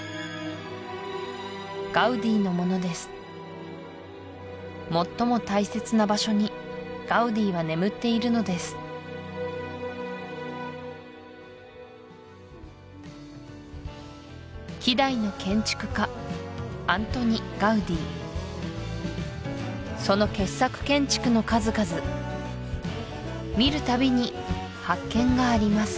ガウディのものです最も大切な場所にガウディは眠っているのです希代の建築家アントニ・ガウディその傑作建築の数々見るたびに発見があります